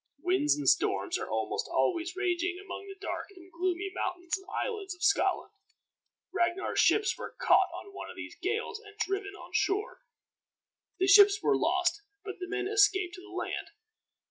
Winds and storms are almost always raging among the dark and gloomy mountains and islands of Scotland. Ragnar's ships were caught on one of these gales and driven on shore. The ships were lost, but the men escaped to the land.